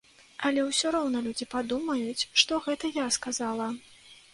Але ўсё роўна людзі падумаюць, што гэта я сказала.